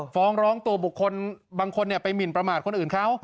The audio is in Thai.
ฟ้องร้องตัวบุคคลบางคนไปหมินประมาทคนอื่นเขา